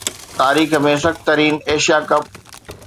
تاريخ ۾ سخت ترين ايشيا ڪپ